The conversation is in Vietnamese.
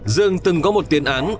dương từng có một tiền án